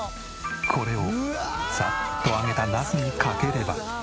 これをサッと揚げたナスにかければ。